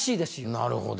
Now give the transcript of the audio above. なるほど。